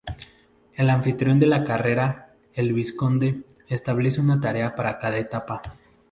El anfitrión de la carrera, el vizconde, establece una tarea para cada etapa.